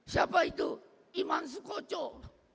siapa itu iman sukocok